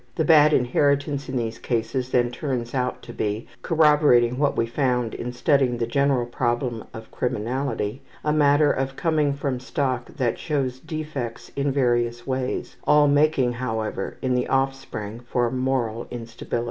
The bad inheritance in these cases then turns out to be, corroborating what we found in studying the general problem of criminality, a matter of coming from stock that shows defects in various ways all making, however, in the offspring for moral instability.